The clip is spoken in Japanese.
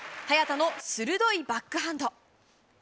早田の鋭いバックハンド。